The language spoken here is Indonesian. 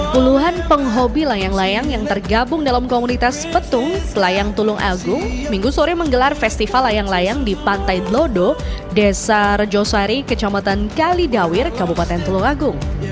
puluhan penghobi layang layang yang tergabung dalam komunitas petung selayang tulung agung minggu sore menggelar festival layang layang di pantai dlodo desa rejosari kecamatan kalidawir kabupaten tulungagung